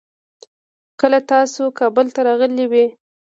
کله تاسو کابل ته راغلې وي؟